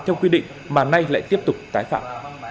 theo quy định mà nay lại tiếp tục tái phạm